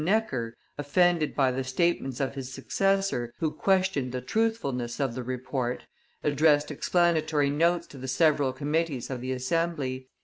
Necker, offended by the statements of his successor, who questioned the truthfulness of the Report, addressed explanatory notes to the several committees of the Assembly.